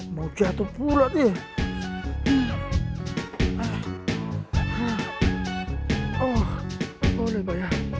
mau jatuh pula dia